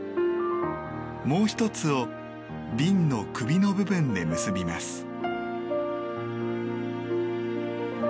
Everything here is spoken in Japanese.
もう１つを瓶の首の部分で結びます。